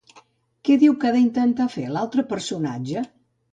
Què diu que ha d'intentar fer l'altre personatge?